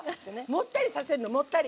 もったりさせるのもったり。